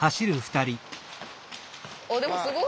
あっでもすごい。